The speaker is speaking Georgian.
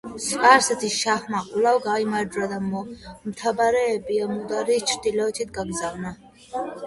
სპარსეთის შაჰმა კვლავ გაიმარჯვა და მომთაბარეები ამუდარიის ჩრდილოეთით განდევნა.